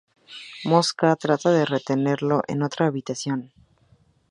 Mosca trata de retenerlo en otra habitación.